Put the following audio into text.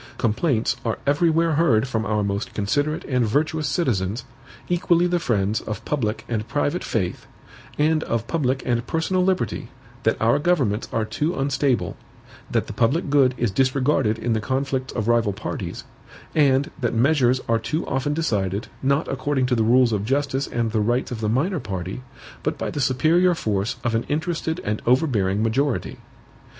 Complaints are everywhere heard from our most considerate and virtuous citizens, equally the friends of public and private faith, and of public and personal liberty, that our governments are too unstable, that the public good is disregarded in the conflicts of rival parties, and that measures are too often decided, not according to the rules of justice and the rights of the minor party, but by the superior force of an interested and overbearing majority.